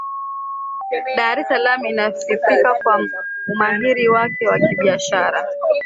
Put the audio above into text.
dar es salaam inasifika kwa umahiri wake wa kibiashara